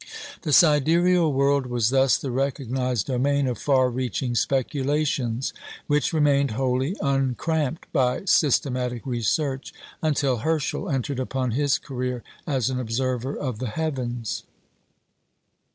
The sidereal world was thus the recognised domain of far reaching speculations, which remained wholly uncramped by systematic research until Herschel entered upon his career as an observer of the heavens.